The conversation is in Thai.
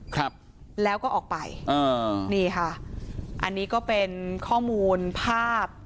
ครับแล้วก็ออกไปอ่านี่ค่ะอันนี้ก็เป็นข้อมูลภาพ